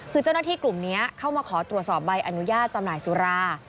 คือเจ้าหน้าที่กลุ่มนี้เข้ามาขอตรวจสอบใบอนุญาตจำหน่ายสุรา